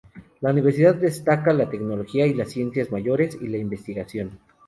La universidad destaca la tecnología y las ciencias mayores y la investigación.